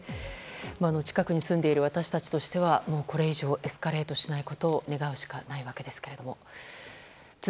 近くに住んでいる私たちとしてはこれ以上エスカレートしないことを願うしかないですが。